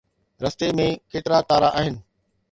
رستي ۾ ڪيترا تارا آهن؟